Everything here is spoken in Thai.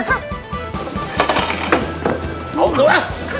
เอาคือว่ะ